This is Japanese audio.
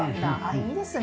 いいですね。